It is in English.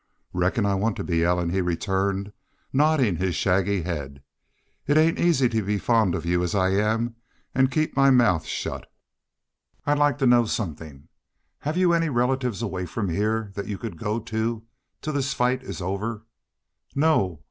"Reckon I want to be, Ellen," he returned, nodding his shaggy head. "It ain't easy to be fond of you as I am an' keep my mouth shet.... I'd like to know somethin'. Hev you any relatives away from hyar thet you could go to till this fight's over?" "No.